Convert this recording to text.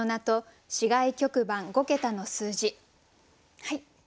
はい。